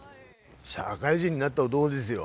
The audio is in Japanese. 社会人になった男ですよ。